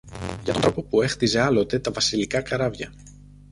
για τον τρόπο που έχτιζε άλλοτε τα βασιλικά καράβια